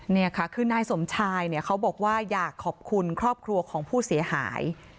นี่ค่ะคือนายสมชายเนี่ยเขาบอกว่าอยากขอบคุณครอบครัวของผู้เสียหาย